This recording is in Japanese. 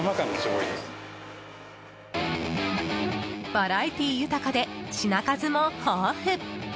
バラエティー豊かで品数も豊富。